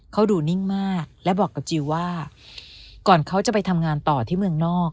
เขาดูนิ่งมากและบอกกับจิลว่าก่อนเขาจะไปทำงานต่อที่เมืองนอก